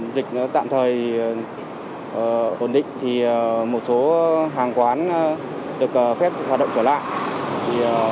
dịch tạm thời ổn định thì một số hàng quán được phép hoạt động trở lại